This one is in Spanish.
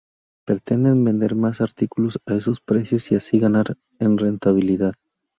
Pretenden vender más artículos a esos precios y así ganar en rentabilidad.